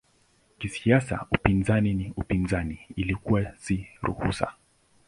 Kisiasa upinzani na upinzani ilikuwa si ruhusa.